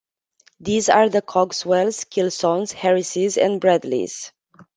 These are the Cogswells, Kilsons, Harrises and Bradleys.